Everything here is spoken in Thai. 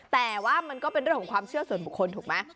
แต่ว่ามันก็เป็นเรื่องของความเชื่อส่วนบุคคลถูกไหม